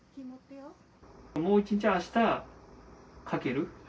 もう１日、あしたかける。